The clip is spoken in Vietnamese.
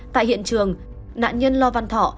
tại hiện trường nạn nhân lo văn thọ